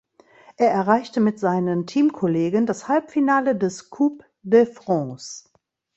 Er erreichte mit seinen Teamkollegen das Halbfinale des Coupe de France.